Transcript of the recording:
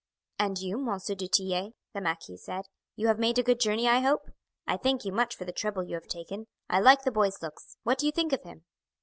"And you, M. du Tillet," the marquis said. "You have made a good journey, I hope? I thank you much for the trouble you have taken. I like the boy's looks; what do you think of him?"